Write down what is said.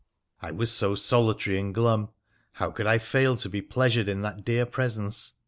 I was so solitary and glum, how could I fail to be pleasured in that dear presence